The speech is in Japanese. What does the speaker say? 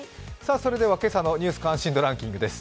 それでは今朝の「ニュース関心度ランキング」です。